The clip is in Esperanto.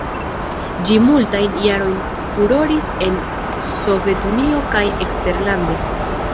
Ĝi multajn jarojn furoris en Sovetunio kaj eksterlande.